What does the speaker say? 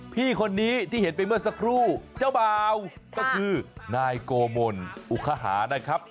พี่คนนี้ที่เห็นไปเมื่อสักครู่เจ้าบ่าวก็คือนายโกมลอุคหานะครับ